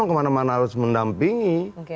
kemana mana harus mendampingi